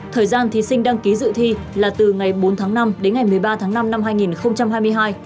thời gian thí sinh đăng ký dự thi là từ ngày bốn tháng năm đến ngày một mươi ba tháng năm năm hai nghìn hai mươi hai